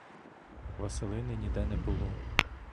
Василини ніде не було.